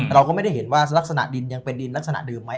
เราก็ไม่ได้เห็นว่าลักษณะดินยังเป็นดินลักษณะเดิมไหม